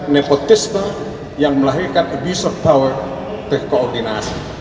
nepotisme yang melahirkan abuse of power berkoordinasi